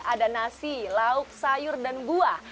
ada nasi lauk sayur dan buah